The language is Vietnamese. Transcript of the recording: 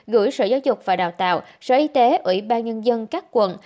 gửi sở giáo dục và đào tạo sở y tế ủy ban nhân dân các quận